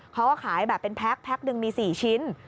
เขาก็ขายแบบเป็นแพ็คแพ็คหนึ่งมี๔ชิ้น